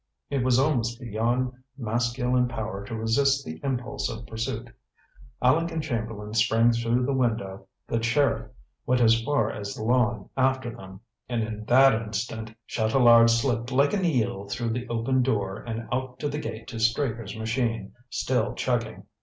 It was almost beyond masculine power to resist the impulse of pursuit. Aleck and Chamberlain sprang through the window, the sheriff went as far as the lawn after them, and in that instant Chatelard slipped like an eel through the open door and out to the gate to Straker's machine, still chugging.